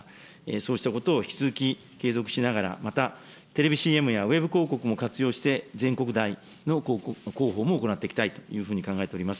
そうしたことを引き続き継続しながら、また、テレビＣＭやウェブ広告も活用して、全国だいの広報も行っていきたいというふうに考えております。